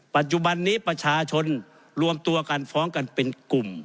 ปัจจุบันนี้ประชาชนรวมตัวกันฟ้องกันเป็นกลุ่ม